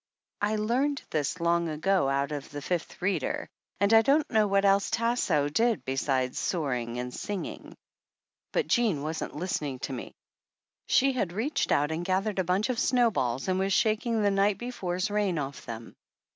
I learned this long ago out of the Fifth Reader, and I don't know what else Tasso did besides soaring and singing. But Jean wasn't listening to me. She had reached out .and gathered a bunch of snowballs and was shaking the night before's rain off them.